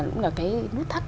cũng là cái nút thắt